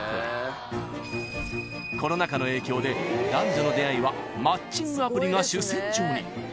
［コロナ禍の影響で男女の出会いはマッチングアプリが主戦場に］